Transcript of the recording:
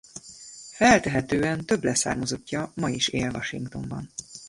Feltehetően több leszármazottja ma is él Washingtonban.